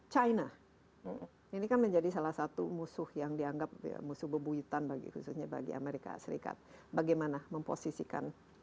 china ini kan menjadi salah satu musuh yang dianggap musuh bebuyutan bagi khususnya bagi amerika serikat bagaimana memposisikan